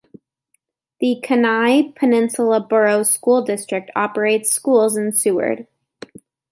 The Kenai Peninsula Borough School District operates schools in Seward.